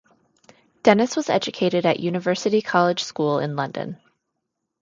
Dennis was educated at University College School in London.